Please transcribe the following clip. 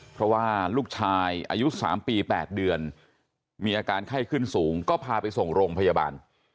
เพราะว่าลูกชายอายุ๓ปี๘เดือนมีอาการไข้ขึ้นสูงก็พาไปส่งโรงพยาบาล